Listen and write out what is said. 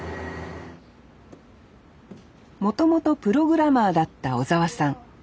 もともとプログラマーだった尾澤さん。